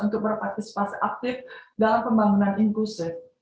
untuk berpartisipasi aktif dalam pembangunan inklusif